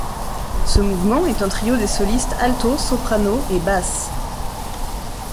Ce mouvement est un trio des solistes alto soprano et basse.